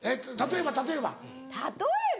例えば例えば？